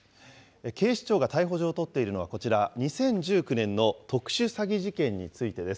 警視庁が逮捕状を取っているのはこちら、２０１９年の特殊詐欺事件についてです。